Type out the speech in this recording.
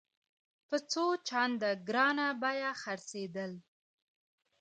په څو چنده ګرانه بیه خرڅېدلې.